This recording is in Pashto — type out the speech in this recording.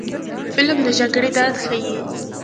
فلم د جګړې درد ښيي